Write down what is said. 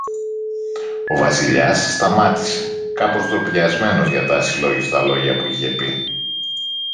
Ο Βασιλιάς σταμάτησε, κάπως ντροπιασμένος για τα ασυλλόγιστα λόγια που είχε πει.